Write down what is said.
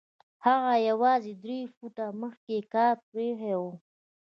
هغه يوازې درې فوټه مخکې کار پرېښی و.